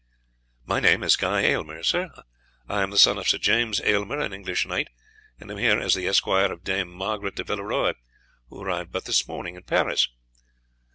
"My name is Guy Aylmer, sir; I am the son of Sir James Aylmer, an English knight, and am here as the esquire of Dame Margaret de Villeroy, who arrived but this morning in Paris."